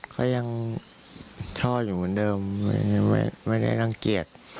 ก็ยังชอบอยู่เหมือนเดิมไม่ได้รังเกียจ